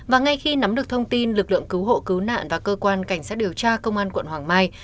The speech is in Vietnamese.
và ngay khi nắm được thông tin lực lượng cứu hộ cứu nạn và cơ quan cảnh sát điều tra công an quận hoàng mai